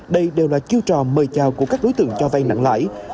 đây đều là chiêu trò mời chào của các đối tượng cho vay nặng lãi